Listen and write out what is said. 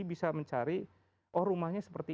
bisa mencari oh rumahnya seperti